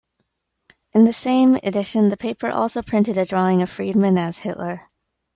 In the same edition, the paper also printed a drawing of Freedman as Hitler.